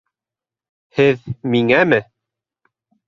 Һеҙ... миңәме?